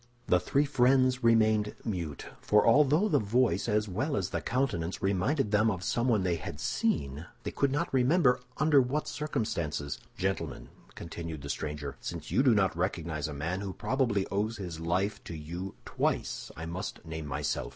The three friends remained mute—for although the voice as well as the countenance reminded them of someone they had seen, they could not remember under what circumstances. "Gentlemen," continued the stranger, "since you do not recognize a man who probably owes his life to you twice, I must name myself.